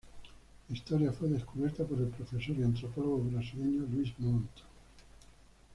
La historia fue descubierta por el profesor y antropólogo brasileño Luiz Mott.